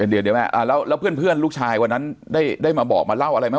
เดี๋ยวแม่แล้วเพื่อนลูกชายวันนั้นได้มาบอกมาเล่าอะไรไหม